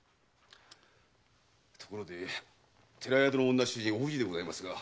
ところで寺宿の女主人お藤でございますが。